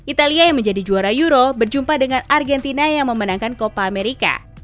italia yang menjadi juara euro berjumpa dengan argentina yang memenangkan kopa amerika